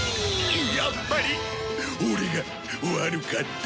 やっぱりオレが悪かった。